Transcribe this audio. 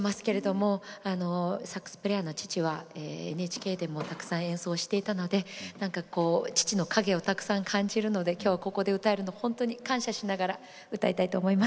サックスプレーヤーの父はＮＨＫでもたくさん演奏をしていたので父の影をたくさん感じるので今日ここで歌えるのを本当に感謝しながら歌いたいと思います。